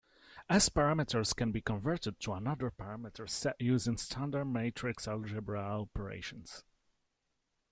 S parameters can be converted to another parameter set using standard matrix algebra operations.